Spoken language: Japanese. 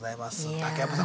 竹山さん